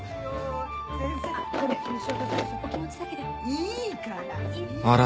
いいから！